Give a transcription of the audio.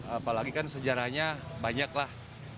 apalagi kan sejarahnya banyak lah